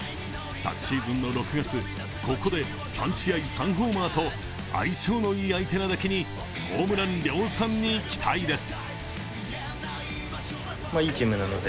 昨シーズンの６月、ここで３試合３ホーマーと相性のいい相手なだけにホームラン量産に期待です。